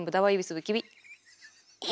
え？